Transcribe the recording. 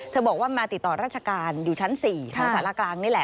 บอกว่ามาติดต่อราชการอยู่ชั้น๔ของสารกลางนี่แหละ